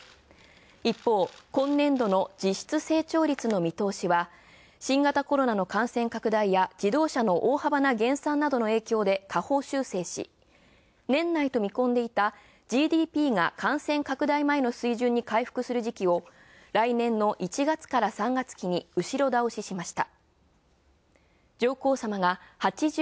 一方、今年度の実質成長率の見通しは新型コロナの感染拡大や自動車の大幅な減産などの影響で下方修正し、年内と見込んでいたＧＤＰが感染拡大前の水準に回復する時期を来年の１月から３月期に後ろ倒ししました。